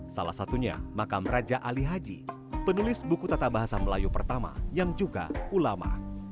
salah satunya makam raja ali haji penulis buku tata bahasa melayu pertama yang juga ulama